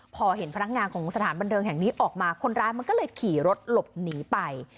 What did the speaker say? พอเห็นพนักงานของสถานบันเทิงแห่งนี้ออกมาคนร้ายมันก็เลยขี่รถหลบหนีไป